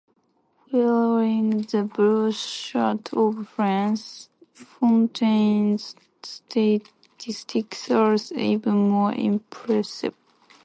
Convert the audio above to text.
Wearing the blue shirt of France, Fontaine's statistics are even more impressive.